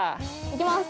いきます。